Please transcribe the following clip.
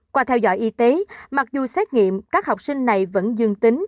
qua theo dõi y tế mặc dù xét nghiệm các học sinh này vẫn dương tính